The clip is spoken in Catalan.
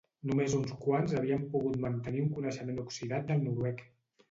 Només uns quants havien pogut mantenir un coneixement oxidat del noruec.